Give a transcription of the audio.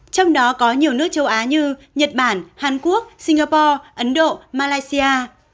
trong đó có nhiều nước châu á như nhật bản hàn quốc singapore ấn độ malaysia